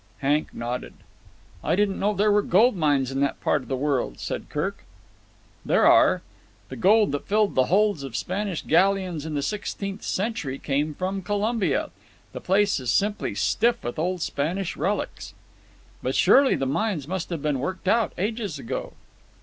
Hank nodded. "I didn't know there were gold mines in that part of the world," said Kirk. "There are. The gold that filled the holds of Spanish galleons in the sixteenth century came from Colombia. The place is simply stiff with old Spanish relics." "But surely the mines must have been worked out ages ago."